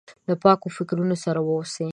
له پاکو فکرونو سره واوسي.